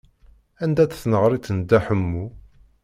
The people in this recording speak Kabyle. Anda-tt tneɣrit n Dda Ḥemmu?